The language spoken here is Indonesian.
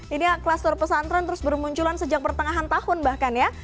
ini kluster pesantren terus bermunculan sejak pertengahan tahun bahkan ya